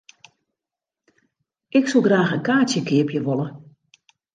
Ik soe graach in kaartsje keapje wolle.